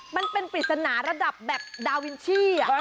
มันเป็นปริศนาระดับแบบดาวินชี่